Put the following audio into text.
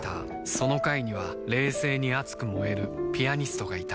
その階には冷静に熱く燃えるピアニストがいた